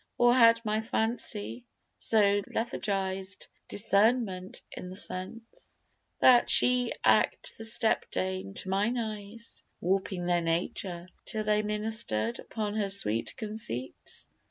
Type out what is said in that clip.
or had my fancy So lethargised discernment in the sense, That she did act the step dame to mine eyes, Warping their nature, till they minister'd Unto her swift conceits?